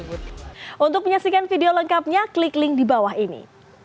untuk menyaksikan video lengkapnya klik link di bawah ini